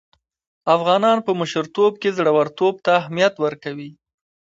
افغانان په مشرتوب کې زړه ورتوب ته اهميت ورکوي.